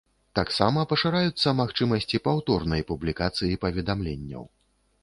Таксама пашыраюцца магчымасці паўторнай публікацыі паведамленняў.